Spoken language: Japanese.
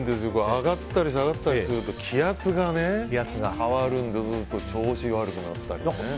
上がったり下がったりすると気圧が変わるのでずっと調子が悪くなったりね。